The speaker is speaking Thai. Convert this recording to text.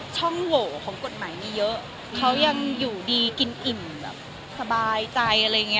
ช่องโหวของกฎหมายมีเยอะเขายังอยู่ดีกินอิ่มสบายใจ